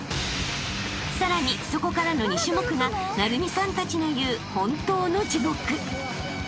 ［さらにそこからの２種目が晟弓さんたちの言う「本当の地獄」］